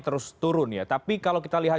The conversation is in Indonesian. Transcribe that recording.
terus turun ya tapi kalau kita lihat